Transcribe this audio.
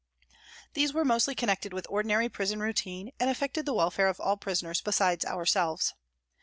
These were mostly connected with ordinary prison routine and affected the welfare of all prisoners besides our selves.